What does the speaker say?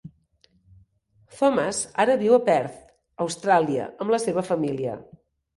Thomas ara viu a Perth, Austràlia, amb la seva família.